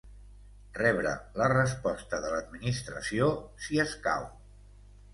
Rebre la resposta de l'Administració, si escau.